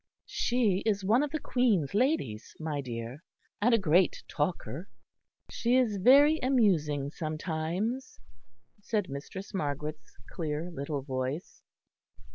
"She is one of the Queen's ladies, my dear; and a great talker." "She is very amusing sometimes," said Mistress Margaret's clear little voice.